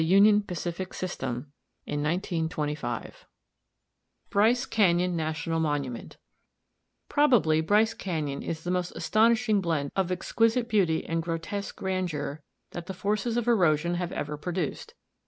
[Illustration: Bryce Canyon National Monument] Bryce Canyon National Monument Probably Bryce Canyon is the most astonishing blend of exquisite beauty and grotesque grandeur that the forces of erosion have ever produced.